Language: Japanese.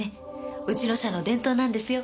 うちの社の伝統なんですよ。